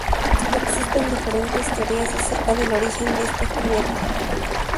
Existen diferentes teorías acerca del origen de este juguete.